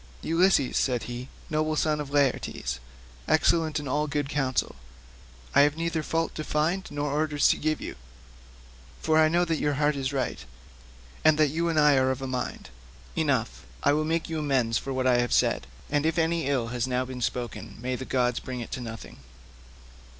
"Ulysses," said he, "noble son of Laertes, excellent in all good counsel, I have neither fault to find nor orders to give you, for I know your heart is right, and that you and I are of a mind. Enough; I will make you amends for what I have said, and if any ill has now been spoken may the gods bring it to nothing."